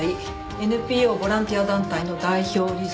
ＮＰＯボランティア団体の代表理事。